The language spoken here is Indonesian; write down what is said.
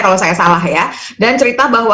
kalau saya salah ya dan cerita bahwa